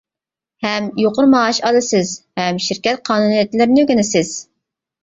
ھەم يۇقىرى مائاش ئالىسىز، ھەم شىركەت قانۇنىيەتلىرىنى ئۆگىنىسىز.